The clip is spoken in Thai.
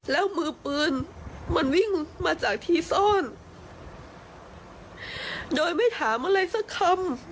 แล้วมือปืนมันวิ่งมาจากที่ซ่อนโดยไม่ถามอะไรสักคำ